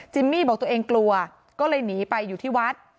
มี่บอกตัวเองกลัวก็เลยหนีไปอยู่ที่วัด